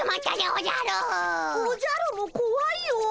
おじゃるもこわいよ。